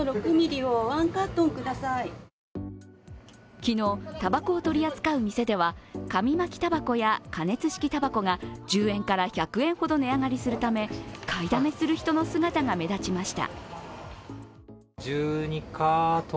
昨日、たばこを取り扱う店では加熱式たばこや紙巻きたばこが１０円から１００円ほど値上がりするため、買いだめする人の姿が目立ちました。